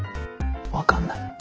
「分かんない」って。